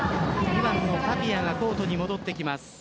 タピアがコートに戻ってきます。